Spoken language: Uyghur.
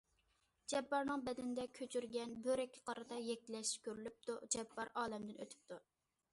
جاپپارنىڭ بەدىنىدە كۆچۈرگەن بۆرەككە قارىتا يەكلەش كۆرۈلۈپتۇ، جاپپار ئالەمدىن ئۆتۈپتۇ.